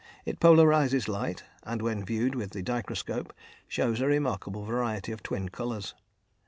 It polarises light, and when viewed with the dichroscope shows a remarkable variety of twin colours.